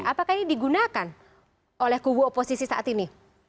apakah ini digunakan oleh kubu oposisi saat ini